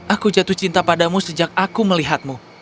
aku jatuh cinta padamu sejak aku melihatmu